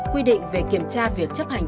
quy định về kiểm tra việc chấp hành